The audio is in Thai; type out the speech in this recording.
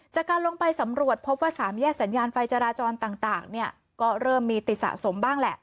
จากการลงไปสำรวจพบว่าสามแยกสัญญาณไฟจราจรต่างก็เริ่มมีติดสะสมบ้างแหละ